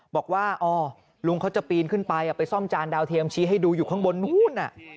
บอกว่าลุงเค้าจะปีนขึ้นไปซ่อมจานเทียมชี้ให้ดูกลางบนนู้น